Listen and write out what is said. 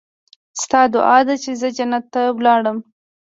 ستا دعا ده چې زه جنت ته لاړم.